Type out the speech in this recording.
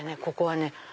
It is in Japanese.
ここはね